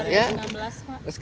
kalan m enam belas pak